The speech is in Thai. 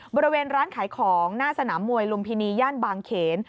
บริเวณร้านขายของหน้าสนามมวยลุมพินีย่านบางเขน